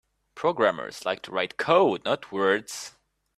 Programmers like to write code; not words.